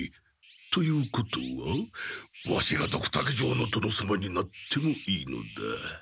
ということはワシがドクタケ城の殿様になってもいいのだ。